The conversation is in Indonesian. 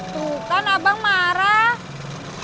tuh kan abang marah